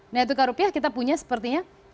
nilai tukar rupiah kita punya sepertinya